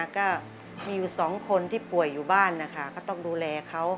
ก็มีอยู่๒คนที่ป่วยอยู่บ้านนะคะก็ต้องดูแลเขา